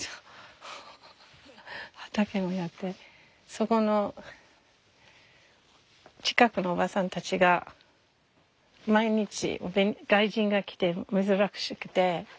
そこの近くのおばさんたちが毎日外人が来て珍しくて野菜を持ってきて。